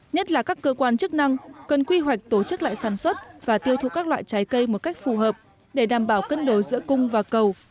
nhất là các cơ quan chức năng cần quy hoạch tổ chức lại sản xuất và tiêu thụ các loại trái cây một cách phù hợp để đảm bảo cân đối giữa cung và cầu